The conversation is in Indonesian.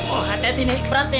oh hati hati naik peratnya